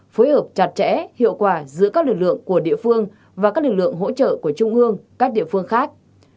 phối hợp chặt chẽ hiệu quả giữa các lực lượng của địa phương và các lực lượng hỗ trợ của trung ương các địa phương khác